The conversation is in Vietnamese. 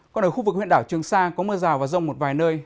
còn ở khu vực huyện đảo trường sa có mưa rào và rông một vài nơi